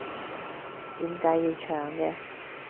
點解要搶嘅？